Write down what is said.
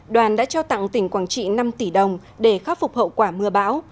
đoàn đã trao tặng tỉnh quảng trị năm tỷ đồng để khắc phục hậu quả mưa bão